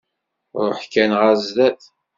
Ruḥ kan ɣer zzat.